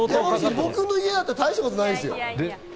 僕の家だったら大したことないですよ。